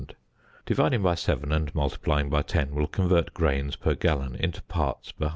Dividing by 7 and multiplying by 10 will convert grains per gallon into parts per 100,000.